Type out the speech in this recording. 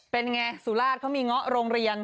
เป็นไงสุราชเขามีเงาะโรงเรียน